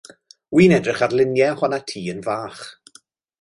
Wi'n edrych ar luniau ohonat ti yn fach.